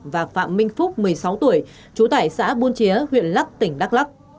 và phạm minh phúc một mươi sáu tuổi chú tại xã buôn chía huyện lắk tỉnh đắk lắc